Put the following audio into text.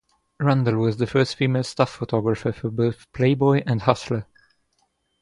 Randall was the first female staff photographer for both "Playboy" and "Hustler".